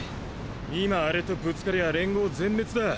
今アレとぶつかりゃ連合全滅だ。